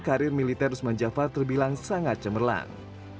karir militer usman jafar terbilang sangat cemerlang